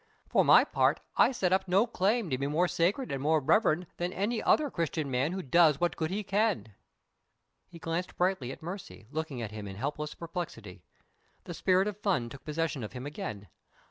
For my part, I set up no claim to be more sacred and more reverend than any other Christian man who does what good he can." He glanced brightly at Mercy, looking at him in helpless perplexity. The spirit of fun took possession of him again.